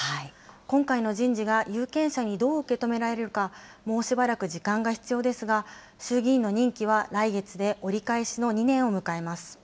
今回の人事が有権者にどう受け止められるか、もうしばらく時間が必要ですが、衆議院の任期は来月で折り返しの２年を迎えます。